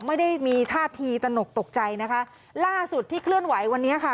ไม่ได้มีท่าทีตนกตกใจนะคะล่าสุดที่เคลื่อนไหววันนี้ค่ะ